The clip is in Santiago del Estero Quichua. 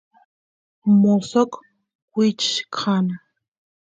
mosoq wichkana